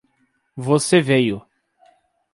Você veio!